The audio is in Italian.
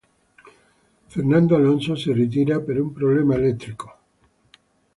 Fernando Alonso si ritira per un problema elettrico.